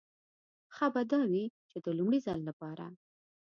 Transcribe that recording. ښه به دا وي چې د لومړي ځل لپاره.